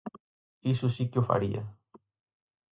Iso si que o faría.